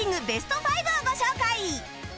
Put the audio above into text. ベスト５をご紹介！